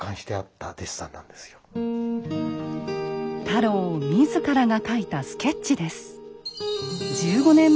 太郎自らが描いたスケッチです。